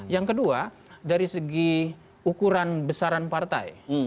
yang kedua dari segi ukuran besaran partai